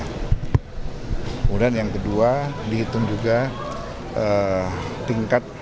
kemudian yang kedua dihitung juga tingkat